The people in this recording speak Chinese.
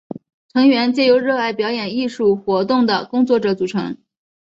成员皆由热爱表演艺术活动的工作者所组成。